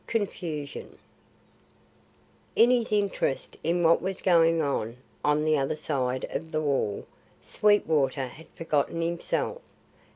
CONFUSION In his interest in what was going on on the other side of the wall, Sweetwater had forgotten himself.